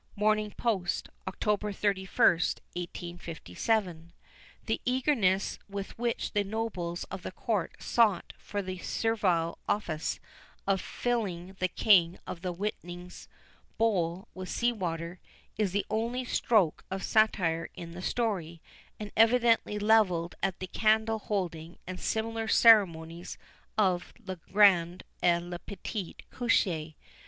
Morning Post, October 31st, 1857. The eagerness with which the nobles of the Court sought for the servile office of filling the King of the Whiting's bowl with sea water, is the only stroke of satire in the story, and evidently levelled at the candle holding and similar ceremonies of "le grand et le petit coucher."